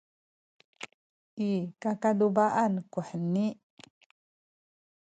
i kakaduba’an kuheni